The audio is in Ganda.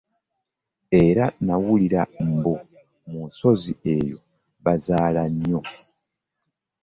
Era nawulira mbu mu nsozi eyo bazaala nnyo.